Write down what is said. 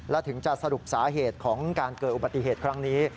และถึงจะสรุปสาเหตุของการเกิดอุบัติเหตุครั้งนี้